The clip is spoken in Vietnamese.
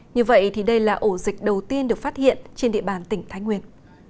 như vậy thì đây là ổ dịch đầu tiên được phát hiện trên địa bàn tỉnh thái nguyên